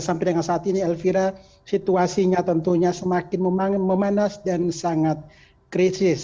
sampai dengan saat ini elvira situasinya tentunya semakin memanas dan sangat krisis